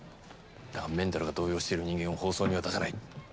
だがメンタルが動揺している人間を放送には出せない。